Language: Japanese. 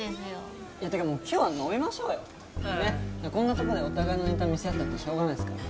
こんなとこでお互いのネタ見せ合ったってしょうがないですから。